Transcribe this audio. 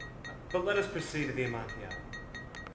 âBut let us proceed to the Amontillado.